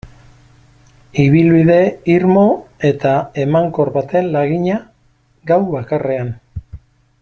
Ibilbide irmo eta emankor baten lagina, gau bakarrean.